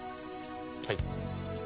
はい。